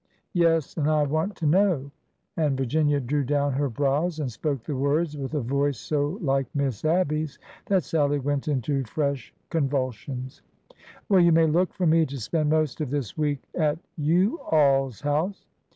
" Yes, and ^ I want to know !'" and Virginia drew down her brows and spoke the words with a voice so like Miss Abby's that Sallie went into fresh convulsions. " Well, you may look for me to spend most of this week at yo' all's house."